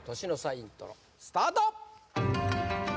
イントロスタート